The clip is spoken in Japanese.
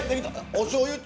おしょうゆは？